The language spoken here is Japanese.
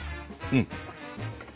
うん。